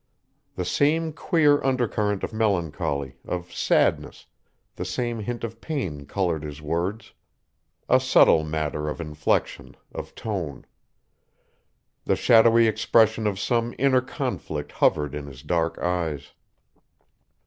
The same queer undercurrent of melancholy, of sadness, the same hint of pain colored his words, a subtle matter of inflection, of tone. The shadowy expression of some inner conflict hovered in his dark eyes.